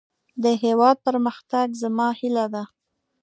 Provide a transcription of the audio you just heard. د هيواد پرمختګ زما هيله ده.